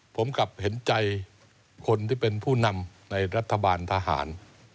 ผมกลับเห็นใจคนที่เป็นผู้นำในรัฐบาลทหาร